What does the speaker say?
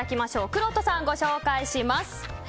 くろうとさんご紹介します。